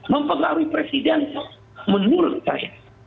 mempengaruhi presiden menulis saya